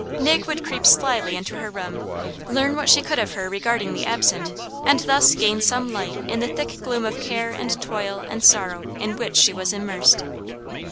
Nig would creep slyly into her room, learn what she could of her regarding the absent, and thus gain some light in the thick gloom of care and toil and sorrow in which she was immersed.